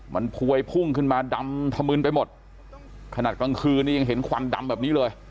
มันพวยพุ่งขึ้นมาดำถมืนไปหมดขนาดกลางคืนนี้ยังเห็นควันดำแบบนี้เลย